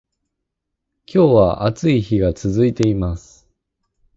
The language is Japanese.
今年は暑い日が続いています